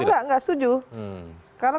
oh enggak enggak setuju